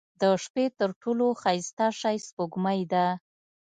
• د شپې تر ټولو ښایسته شی سپوږمۍ ده.